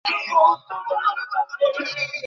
কমলার কানে সে কথা পৌঁছিলই না।